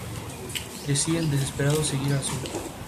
Deciden, desesperados, seguir al sur.